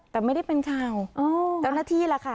แต่ไม่ได้เป็นข่าวเจ้าหน้าที่ล่ะค่ะ